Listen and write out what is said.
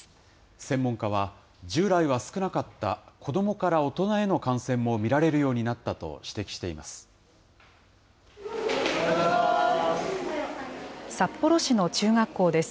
専門家は、従来は少なかった子どもから大人への感染も見られるようになったと指摘しています。